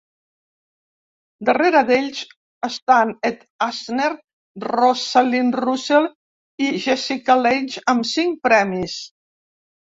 Darrere d"ells estan Ed Asner, Rosalind Russell i Jessica Lange amb cinc premis